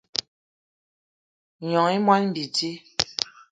Gnong i moni bidi